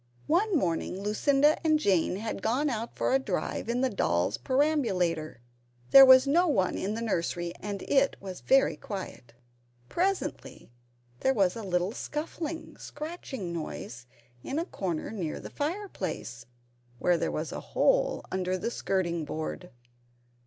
One morning Lucinda and Jane had gone out for a drive in the doll's perambulator. There was no one in the nursery, and it was very quiet. Presently there was a little scuffling, scratching noise in a corner near the fireplace, where there was a hole under the skirting board.